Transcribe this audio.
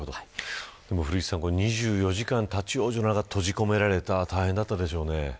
古市さん、２４時間立ち往生の中、閉じ込められた大変だったでしょうね。